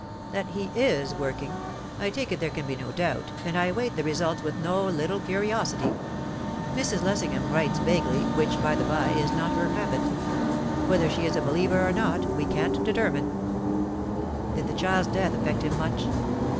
"That he is working, I take it there can be no doubt, and I await the results with no little curiosity. Mrs. Lessingham writes vaguely, which, by the bye, is not her habit. Whether she is a believer or not, we can't determine." "Did the child's death affect him much?"